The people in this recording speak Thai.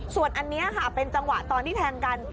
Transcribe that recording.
ส่วนอันนี้ค่ะเป็นจังหวะตอนที่แทงกัน